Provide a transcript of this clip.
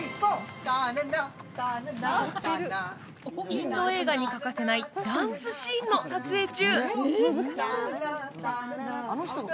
インド映画に欠かせないダンスシーンの撮影中。